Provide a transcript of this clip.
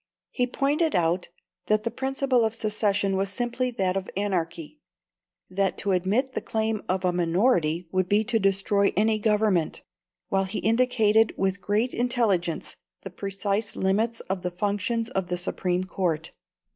He pointed out that the principle of secession was simply that of anarchy; that to admit the claim of a minority would be to destroy any government; while he indicated with great intelligence the precise limits of the functions of the Supreme Court.